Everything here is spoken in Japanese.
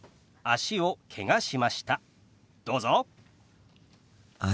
脚をけがしました。